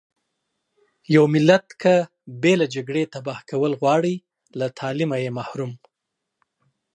يو ملت که بې له جګړې تبا کول غواړٸ له تعليمه يې محروم .